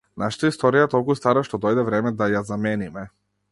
Нашата историја е толку стара што дојде време да ја замениме.